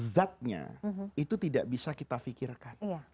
zatnya itu tidak bisa kita fikirkan